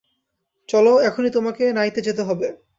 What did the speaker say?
চলো, এখনই তোমাকে নাইতে যেতে হবে।